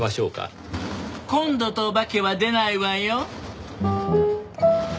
今度とお化けは出ないわよ。